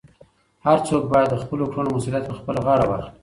هر څوک باید د خپلو کړنو مسؤلیت په خپله غاړه واخلي.